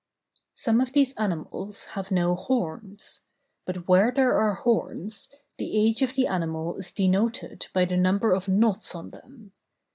Some of these animals have no horns; but where there are horns, the age of the animal is denoted by the number of knots on them.